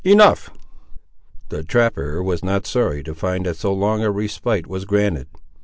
Enough." The trapper was not sorry to find that so long a respite was granted.